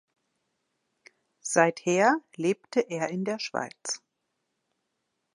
Seither lebte er in der Schweiz.